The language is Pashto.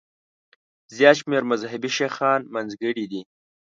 زیات شمېر مذهبي شیخان منځګړي دي.